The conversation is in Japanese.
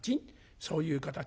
そういう形？